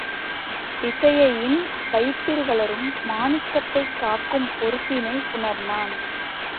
விசயையின் வயிற்றில் வளரும் மாணிக்கத்தைக் காக்கும் பொறுப்பினை உணர்ந்தான்.